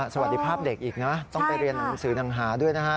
สวัสดีภาพเด็กอีกนะต้องไปเรียนหนังสือหนังหาด้วยนะฮะ